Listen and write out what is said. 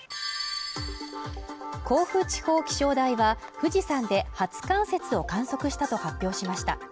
甲府地方気象台は富士山で初冠雪を観測したと発表しました